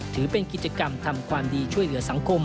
ถือเป็นกิจกรรมทำความดีช่วยเหลือสังคม